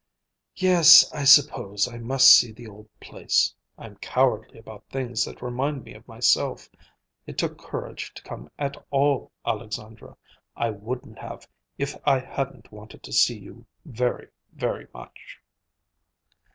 "Yes, I suppose I must see the old place. I'm cowardly about things that remind me of myself. It took courage to come at all, Alexandra. I wouldn't have, if I hadn't wanted to see you very, very much."